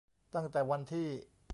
ตั้งแต่วันที่